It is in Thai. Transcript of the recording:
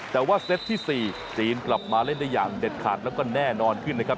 แต่ว่าเซตที่๔จีนกลับมาเล่นได้อย่างเด็ดขาดแล้วก็แน่นอนขึ้นนะครับ